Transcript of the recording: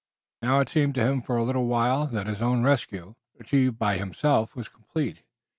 Now it seemed to him for a little while that his own rescue, achieved by himself, was complete.